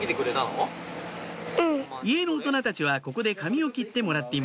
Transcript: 家の大人たちはここで髪を切ってもらっています